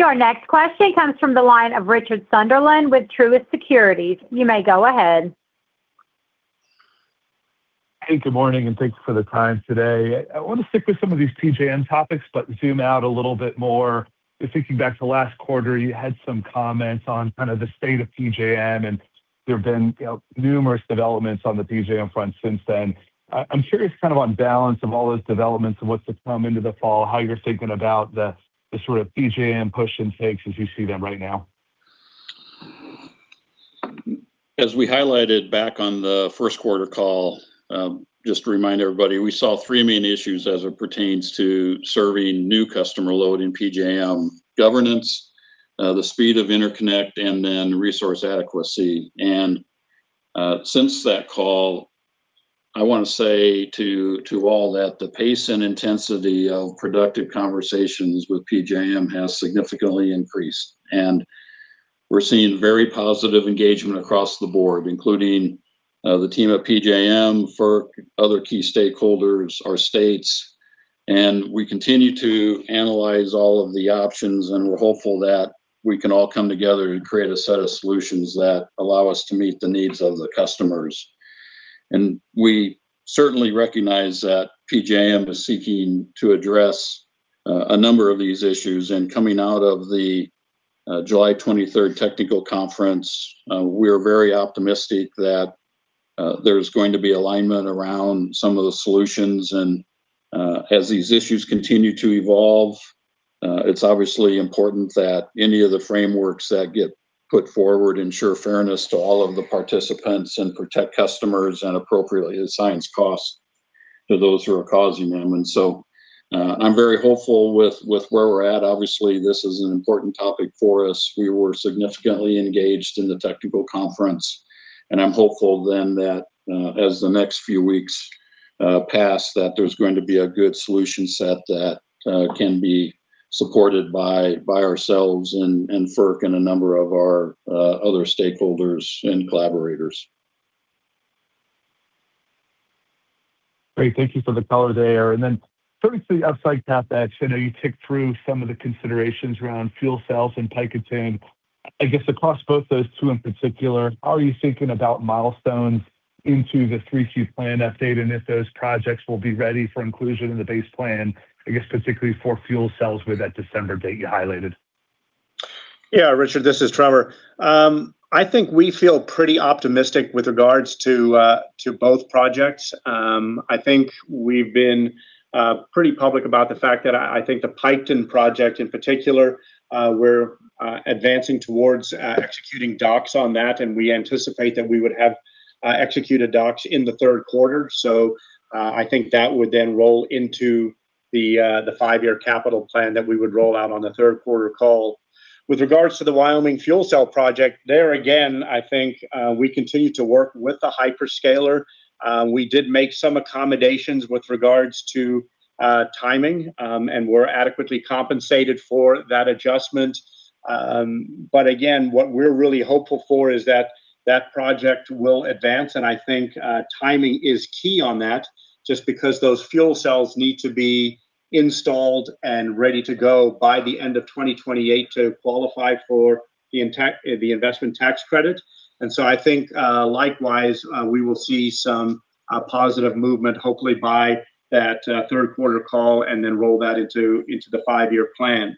Your next question comes from the line of Richard Sunderland with Truist Securities. You may go ahead. Hey, good morning, and thanks for the time today. I want to stick with some of these PJM topics, but zoom out a little bit more. Just thinking back to last quarter, you had some comments on kind of the state of PJM, there have been numerous developments on the PJM front since then. I'm curious kind of on balance of all those developments and what's to come into the fall, how you're thinking about the sort of PJM push and takes as you see them right now. As we highlighted back on the first quarter call, just to remind everybody, we saw three main issues as it pertains to serving new customer load in PJM: governance, the speed of interconnect, and then resource adequacy. Since that call, I want to say to all that the pace and intensity of productive conversations with PJM has significantly increased. We're seeing very positive engagement across the board, including the team at PJM, FERC, other key stakeholders, our states. We continue to analyze all of the options, and we're hopeful that we can all come together and create a set of solutions that allow us to meet the needs of the customers. We certainly recognize that PJM is seeking to address a number of these issues. Coming out of the July 23 technical conference, we are very optimistic that there's going to be alignment around some of the solutions. As these issues continue to evolve, it's obviously important that any of the frameworks that get put forward ensure fairness to all of the participants and protect customers and appropriately assign costs to those who are causing them. I'm very hopeful with where we're at. Obviously, this is an important topic for us. We were significantly engaged in the technical conference, I'm hopeful then that as the next few weeks pass, that there's going to be a good solution set that can be supported by ourselves and FERC and a number of our other stakeholders and collaborators. Great. Thank you for the color there. Briefly outside that, I know you ticked through some of the considerations around fuel cells and Piketon. I guess across both those two in particular, how are you thinking about milestones into the 3Q plan update and if those projects will be ready for inclusion in the base plan, I guess particularly for fuel cells with that December date you highlighted? Richard, this is Trevor. I think we feel pretty optimistic with regards to both projects. I think we've been pretty public about the fact that I think the Piketon project in particular, we're advancing towards executing docs on that, and we anticipate that we would have executed docs in the third quarter. I think that would then roll into the five-year capital plan that we would roll out on the third quarter call. With regards to the Wyoming fuel cell project, there again, I think we continue to work with the hyperscaler. We did make some accommodations with regards to timing, and we're adequately compensated for that adjustment. Again, what we're really hopeful for is that that project will advance, and I think timing is key on that, just because those fuel cells need to be installed and ready to go by the end of 2028 to qualify for the investment tax credit. I think likewise, we will see some positive movement, hopefully by that third quarter call, and then roll that into the five-year plan.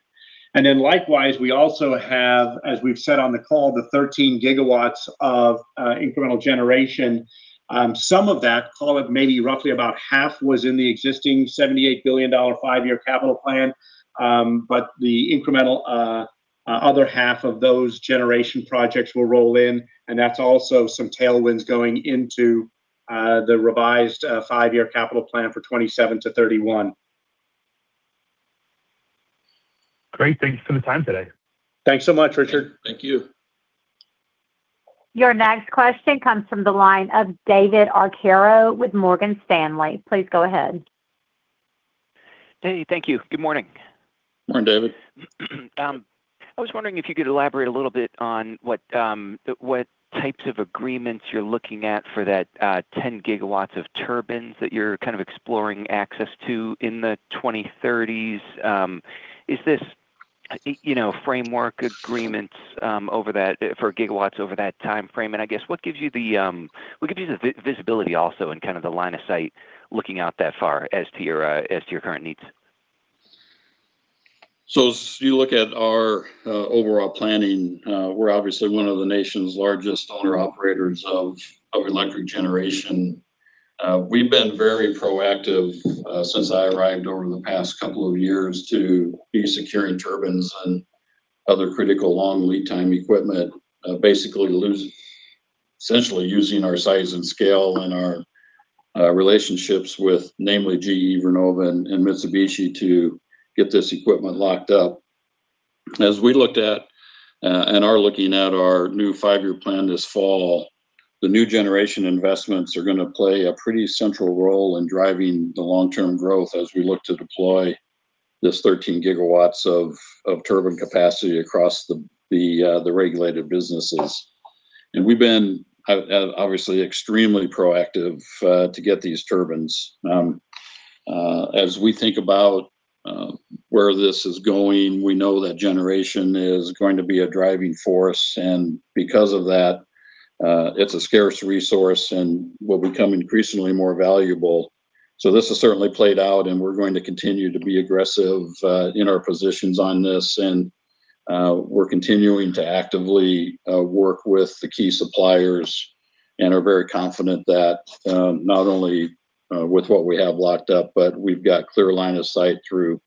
Likewise, we also have, as we've said on the call, the 13 GW of incremental generation. Some of that, call it maybe roughly about half, was in the existing $78 billion five-year capital plan. The incremental other half of those generation projects will roll in, and that's also some tailwinds going into the revised five-year capital plan for 2027 to 2031. Great. Thanks for the time today. Thanks so much, Richard. Thank you. Your next question comes from the line of David Arcaro with Morgan Stanley. Please go ahead. Dave, thank you. Good morning. Morning, David. I was wondering if you could elaborate a little bit on what types of agreements you're looking at for that 10 GW of turbines that you're kind of exploring access to in the 2030s. Is this framework agreements for gigawatts over that timeframe? I guess, what gives you the visibility also and kind of the line of sight looking out that far as to your current needs? As you look at our overall planning, we're obviously one of the nation's largest owner-operators of electric generation. We've been very proactive since I arrived over the past couple of years to be securing turbines and other critical long lead time equipment, basically, essentially using our size and scale and our relationships with namely GE Vernova and Mitsubishi to get this equipment locked up. As we looked at, and are looking at our new five-year plan this fall, the new generation investments are going to play a pretty central role in driving the long-term growth as we look to deploy this 13 GW of turbine capacity across the regulated businesses. We've been obviously extremely proactive to get these turbines. As we think about where this is going, we know that generation is going to be a driving force, and because of that, it's a scarce resource and will become increasingly more valuable. This has certainly played out, and we're going to continue to be aggressive in our positions on this. We're continuing to actively work with the key suppliers, and are very confident that not only with what we have locked up, but we've got clear line of sight through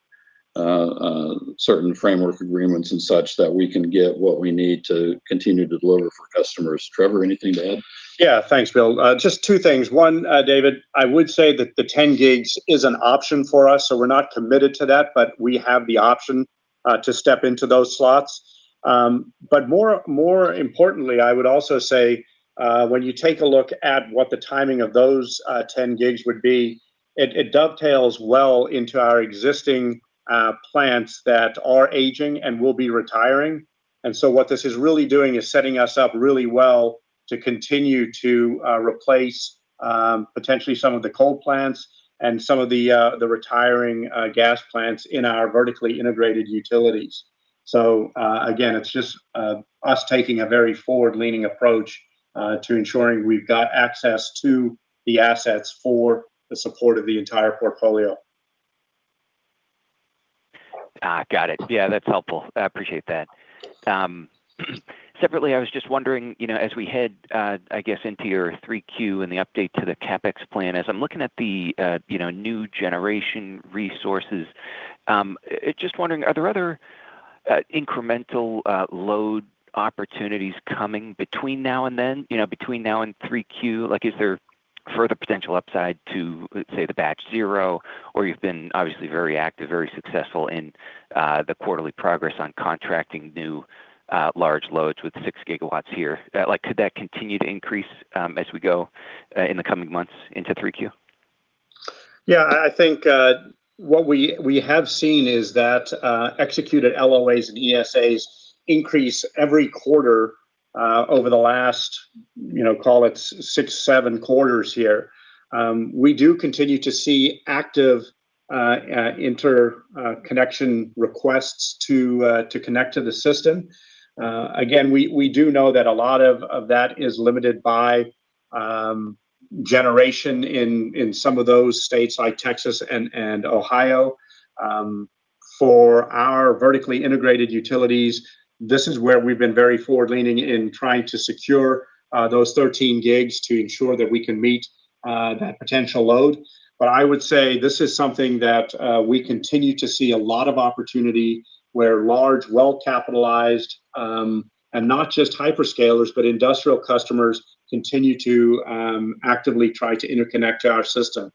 certain framework agreements and such, that we can get what we need to continue to deliver for customers. Trevor, anything to add? Yeah. Thanks, Bill. Just two things. One, David, I would say that the 10 gigs is an option for us, so we're not committed to that, but we have the option to step into those slots. More importantly, I would also say, when you take a look at what the timing of those 10 gigs would be, it dovetails well into our existing plants that are aging and will be retiring. What this is really doing is setting us up really well to continue to replace potentially some of the coal plants and some of the retiring gas plants in our vertically integrated utilities. Again, it's just us taking a very forward-leaning approach to ensuring we've got access to the assets for the support of the entire portfolio. Got it. That's helpful. I appreciate that. Separately, I was just wondering, as we head, I guess, into your 3Q and the update to the CapEx plan, as I'm looking at the new generation resources, just wondering, are there other incremental load opportunities coming between now and then, between now and 3Q? Is there further potential upside to, let's say, the Batch Zero? You've been obviously very active, very successful in the quarterly progress on contracting new large loads with 6 GW here. Could that continue to increase as we go in the coming months into 3Q? I think what we have seen is that executed LOAs and ESAs increase every quarter over the last call it six, seven quarters here. We do continue to see active interconnection requests to connect to the system. Again, we do know that a lot of that is limited by generation in some of those states like Texas and Ohio. For our vertically integrated utilities, this is where we've been very forward-leaning in trying to secure those 13 gigs to ensure that we can meet that potential load. I would say this is something that we continue to see a lot of opportunity where large, well-capitalized, and not just hyperscalers, but industrial customers continue to actively try to interconnect to our system.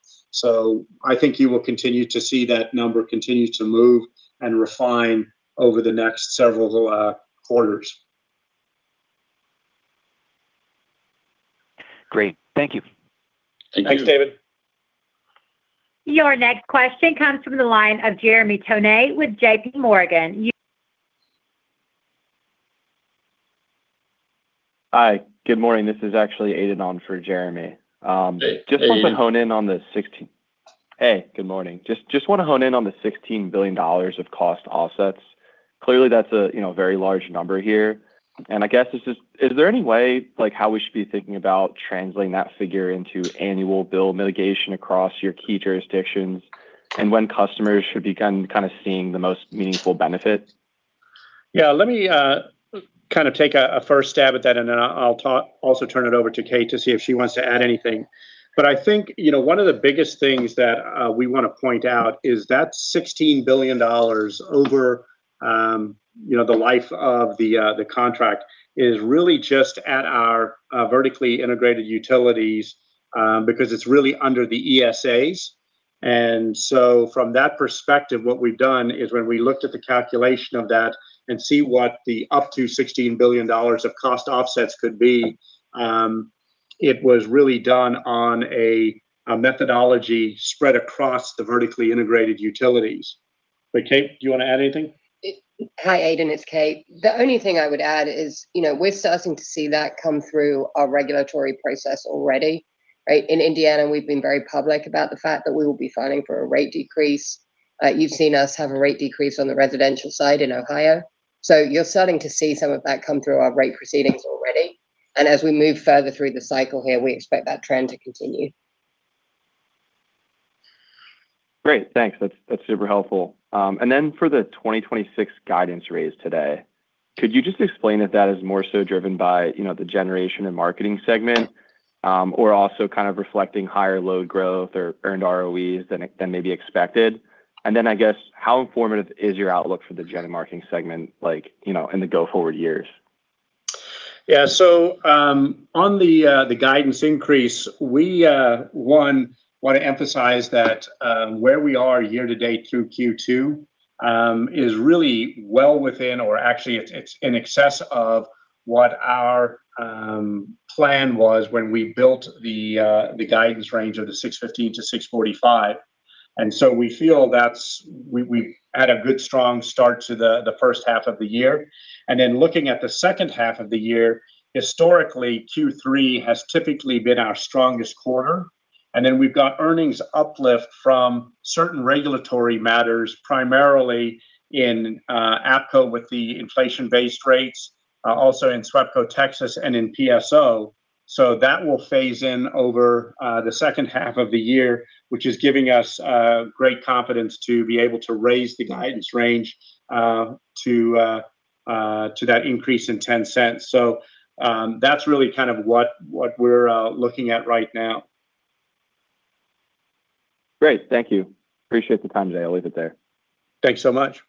I think you will continue to see that number continue to move and refine over the next several quarters. Great. Thank you. Thank you. Thanks, David. Your next question comes from the line of Jeremy Tonet with JPMorgan. Hi. Good morning. This is actually Aidan on for Jeremy. Hey, Aidan. Good morning. Just want to hone in on the $16 billion of cost offsets. Clearly that's a very large number here, and I guess, is there any way how we should be thinking about translating that figure into annual bill mitigation across your key jurisdictions, and when customers should begin kind of seeing the most meaningful benefits? Yeah, let me kind of take a first stab at that, I'll also turn it over to Kate to see if she wants to add anything. I think one of the biggest things that we want to point out is that $16 billion over the life of the contract is really just at our vertically integrated utilities, because it's really under the ESAs. From that perspective, what we've done is when we looked at the calculation of that and see what the up to $16 billion of cost offsets could be, it was really done on a methodology spread across the vertically integrated utilities. Kate, do you want to add anything? Hi, Aidan. It's Kate. The only thing I would add is we're starting to see that come through our regulatory process already. In Indiana, we've been very public about the fact that we will be filing for a rate decrease. You've seen us have a rate decrease on the residential side in Ohio. You're starting to see some of that come through our rate proceedings already. As we move further through the cycle here, we expect that trend to continue. Great. Thanks. That's super helpful. For the 2026 guidance raise today, could you just explain if that is more so driven by the generation and marketing segment? Or also kind of reflecting higher load growth or earned ROEs than maybe expected. I guess, how informative is your outlook for the gen and marketing segment in the go-forward years? On the guidance increase, we, one, want to emphasize that where we are year to date through Q2 is really well within, or actually it's in excess of what our plan was when we built the guidance range of the $6.15-$6.45. We feel we had a good strong start to the first half of the year. Looking at the second half of the year, historically, Q3 has typically been our strongest quarter. Then we've got earnings uplift from certain regulatory matters, primarily in AEP Ohio with the inflation-based rates, also in SWEPCO Texas and in PSO. That will phase in over the second half of the year, which is giving us great confidence to be able to raise the guidance range to that increase in $0.10. That's really what we're looking at right now. Great. Thank you. Appreciate the time today. I'll leave it there. Thanks so much.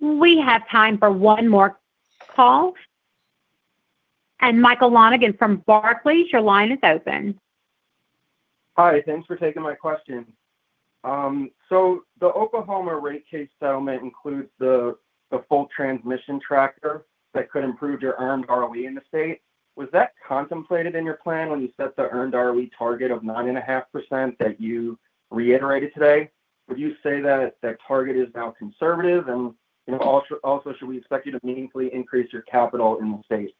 We have time for one more call. Michael Lonegan from Barclays, your line is open. Thanks for taking my question. The Oklahoma rate case settlement includes the full transmission tracker that could improve your earned ROE in the state. Was that contemplated in your plan when you set the earned ROE target of 9.5% that you reiterated today? Would you say that target is now conservative? Should we expect you to meaningfully increase your capital in the state?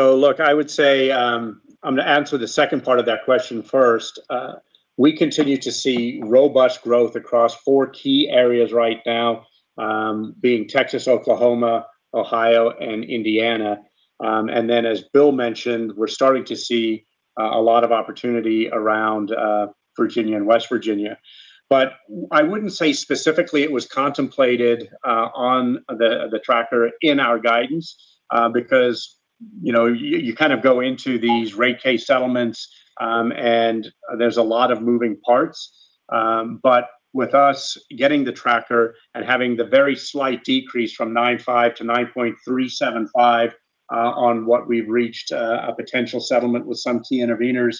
I would say, I'm going to answer the second part of that question first. We continue to see robust growth across four key areas right now, being Texas, Oklahoma, Ohio, and Indiana. As Bill mentioned, we're starting to see a lot of opportunity around Virginia and West Virginia. I wouldn't say specifically it was contemplated on the tracker in our guidance, because you kind of go into these rate case settlements, and there's a lot of moving parts. With us getting the tracker and having the very slight decrease from 9.5 to 9.375 on what we've reached a potential settlement with some key interveners,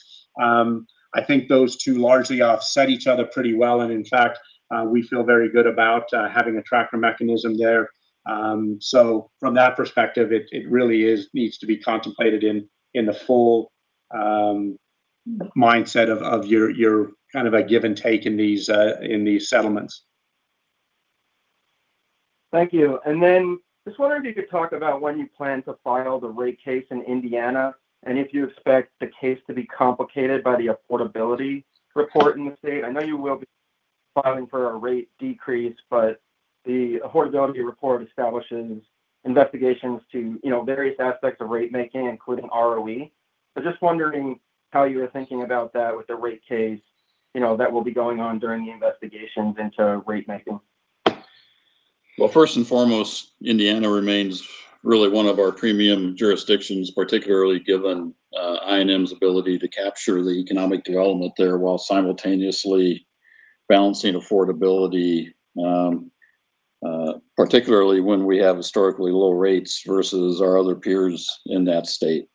I think those two largely offset each other pretty well. In fact, we feel very good about having a tracker mechanism there. From that perspective, it really needs to be contemplated in the full mindset of your give and take in these settlements. Thank you. Just wondering if you could talk about when you plan to file the rate case in Indiana, and if you expect the case to be complicated by the affordability report in the state. I know you will be filing for a rate decrease, the affordability report establishes investigations to various aspects of rate making, including ROE. Just wondering how you are thinking about that with the rate case that will be going on during the investigations into rate making. Well, first and foremost, Indiana remains really one of our premium jurisdictions, particularly given I&M's ability to capture the economic development there while simultaneously balancing affordability, particularly when we have historically low rates versus our other peers in that state.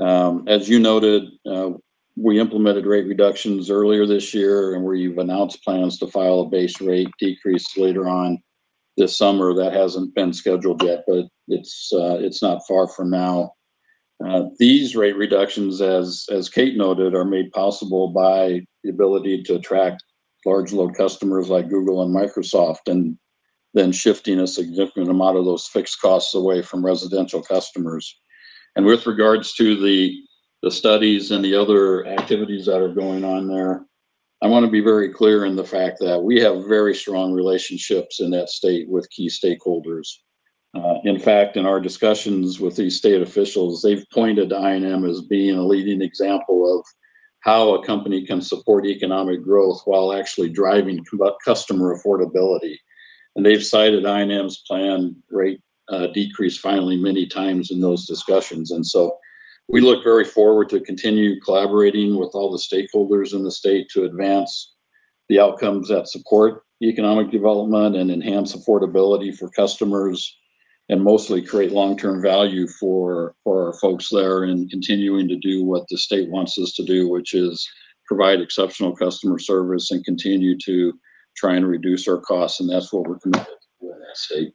As you noted, we implemented rate reductions earlier this year, and we've announced plans to file a base rate decrease later on this summer. That hasn't been scheduled yet, but it's not far from now. These rate reductions, as Kate noted, are made possible by the ability to attract large load customers like Google and Microsoft, then shifting a significant amount of those fixed costs away from residential customers. With regards to the studies and the other activities that are going on there, I want to be very clear in the fact that we have very strong relationships in that state with key stakeholders. In fact, in our discussions with these state officials, they've pointed to I&M as being a leading example of how a company can support economic growth while actually driving customer affordability. They've cited I&M's plan rate decrease filing many times in those discussions. We look very forward to continue collaborating with all the stakeholders in the state to advance the outcomes that support economic development and enhance affordability for customers, and mostly create long-term value for our folks there in continuing to do what the state wants us to do, which is provide exceptional customer service and continue to try and reduce our costs, and that's what we're committed to do in that state.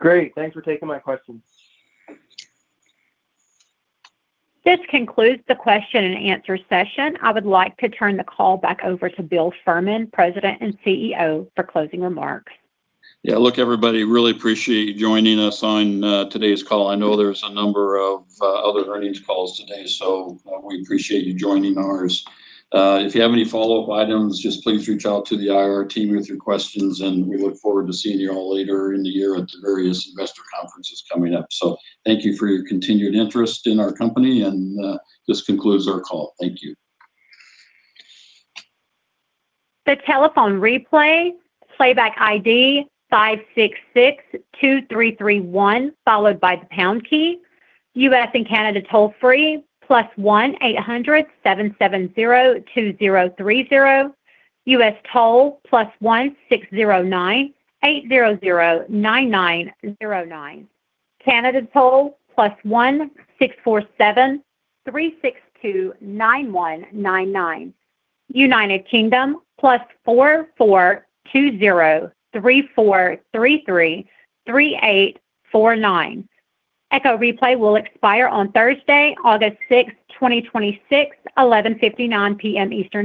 Great. Thanks for taking my questions. This concludes the question and answer session. I would like to turn the call back over to Bill Fehrman, President and CEO, for closing remarks. Yeah, look, everybody, really appreciate you joining us on today's call. I know there's a number of other earnings calls today. We appreciate you joining ours. If you have any follow-up items, just please reach out to the IR team with your questions. We look forward to seeing you all later in the year at the various investor conferences coming up. Thank you for your continued interest in our company. This concludes our call. Thank you. The telephone replay, playback ID 5662331, followed by the pound key. U.S. and Canada toll-free +1-800-770-2030. U.S. toll +1609-800-9909. Canada toll +1-647-362-9199. United Kingdom +442034333849. Echo replay will expire on Thursday, August 6th, 2026, 11:59 P.M. Eastern